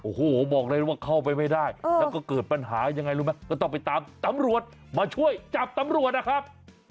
โอ้โหบอกเลยว่าเข้าไปไม่ได้แล้วก็เกิดปัญหายังไงรู้ไหมก็ต้องไปตามตำรวจมาช่วยจับตำรวจนะครับ